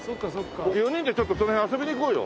４人でちょっとその辺遊びに行こうよ。